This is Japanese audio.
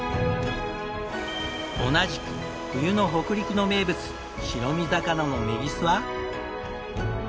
同じく冬の北陸の名物白身魚のメギスは。